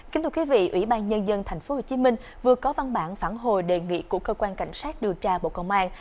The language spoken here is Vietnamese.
kính thưa quý vị ủy ban nhân dân tp hcm vừa có văn bản phản hồi đề nghị của cơ quan cảnh sát điều tra bộ công an